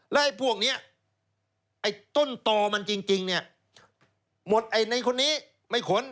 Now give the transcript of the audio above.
แล้วพวกนี้ต้นตอมันจริงเนี่ยหมดในคนนี้ไม่ขน